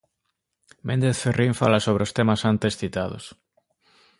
Méndez Ferrín fala sobre os temas antes citados.